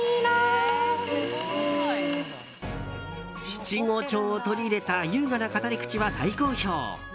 七五調を取り入れた優雅な語り口は大好評。